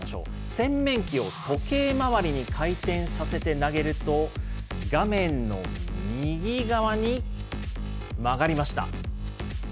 洗面器を時計回りに回転させて投げると、画面の右側に曲がりました。